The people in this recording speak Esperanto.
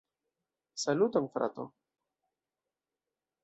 Saluton frato!